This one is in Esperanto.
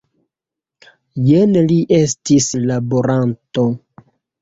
Jen li estis laboranto!